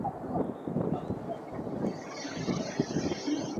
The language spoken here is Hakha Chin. A zawt a zual tuk i rawl a hlam kho ti lo.